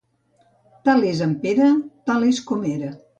Tal és en Pere, tal és com era.